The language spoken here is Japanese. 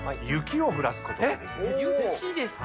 雪ですか。